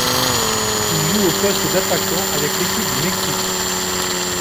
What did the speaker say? Il joue au poste d'attaquant avec l'équipe du Mexique.